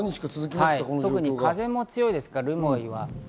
特に風も強いですから留萌は。